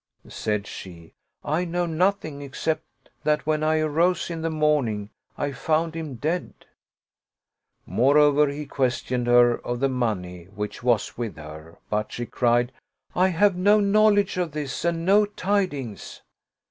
Said she, " I know nothing except that, when I arose in the morning, I found him dead.'* Moreover, he questioned her of the money which was with her, but she cried, " I have no knowledge 183 Oriental Mystery Stories of this and no tidings."